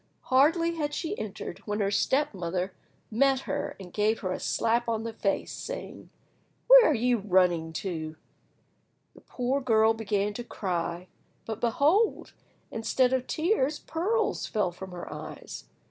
Hardly had she entered when her step mother met her and gave her a slap on the face, saying— "Where are you running to?" The poor girl began to cry, but behold! instead of tears pearls fell from her eyes.